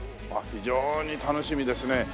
あっ非常に楽しみですね。